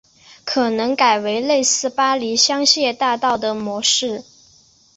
可能改为类似巴黎香榭大道的模式